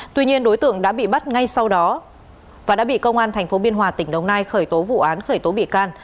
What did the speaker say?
tuy nhiên đối tượng đã bị bắt ngay sau đó và đã bị công an tp biên hòa tỉnh đồng nai khởi tố vụ án khởi tố bị can